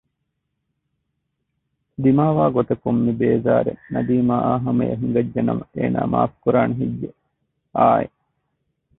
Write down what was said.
ދިމާވާގޮތަކުން މިބޭޒާރެއް ނަދީމާއާ ހަމަޔަށް ހިނގައްޖެ ނަމަ އޭނާ މާފުކުރާނެ ހެއްޔެވެ؟ އާއެނއް